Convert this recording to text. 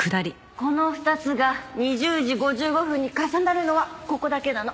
この２つが２０時５５分に重なるのはここだけなの。